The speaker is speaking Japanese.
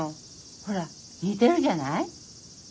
ほら似てるじゃない。